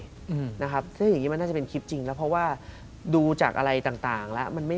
ว่าอย่างนี้มันน่าจะเป็นคลิปจริงแล้วเพราะว่าดูจากอะไรต่างและ